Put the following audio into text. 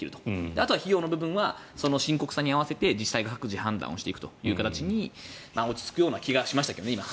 あとは費用の部分は深刻さに合わせて自治体が各自判断していく形に落ち着くような気がしましたけどね